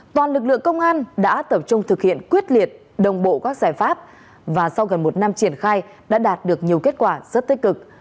toàn lực lượng công an đã tập trung thực hiện quyết liệt đồng bộ các giải pháp và sau gần một năm triển khai đã đạt được nhiều kết quả rất tích cực